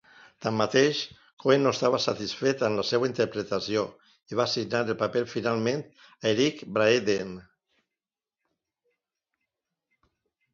Tanmateix, Cohen no estava satisfet amb la seva interpretació i va assignar el paper finalment a Eric Braeden.